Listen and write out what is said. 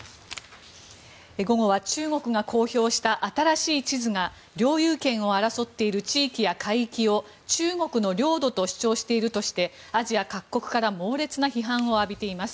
午後は中国が公表した新しい地図が領有権を争っている地域や海域を中国の領土と主張しているとしてアジア各国から猛烈な批判を浴びています。